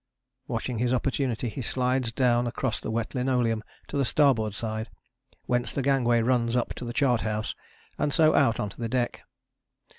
Watching his opportunity he slides down across the wet linoleum to the starboard side, whence the gangway runs up to the chart house and so out on to the deck.